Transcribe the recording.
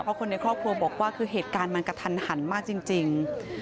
เพราะคนในครอบครัวบอกว่าคือเหตุการณ์มันกระทันหันมากจริง